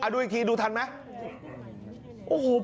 ดูอีกทีดูทันไหม